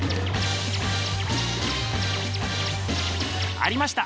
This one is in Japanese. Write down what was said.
ありました。